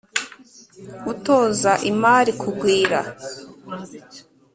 utoza imari kugwira